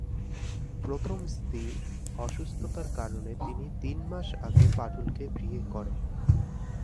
প্রথম স্ত্রীর অসুস্থতার কারণে তিনি তিন মাস আগে পারুলকে বিয়ে করেন।